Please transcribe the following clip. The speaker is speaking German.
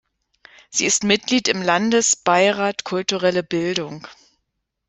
Sie ist Mitglied im Landesbeirat Kulturelle Bildung.